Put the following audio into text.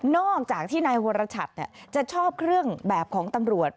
อกจากที่นายวรชัดจะชอบเครื่องแบบของตำรวจ